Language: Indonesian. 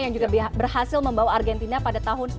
yang juga berhasil membawa argentina pada tahun dua ribu dua puluh